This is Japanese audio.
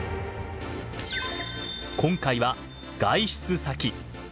今回は外出先。